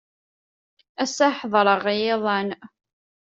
Ass-a ḥedṛeɣ i yiḍan.